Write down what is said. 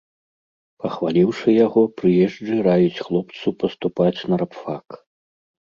Пахваліўшы яго, прыезджы раіць хлопцу паступаць на рабфак.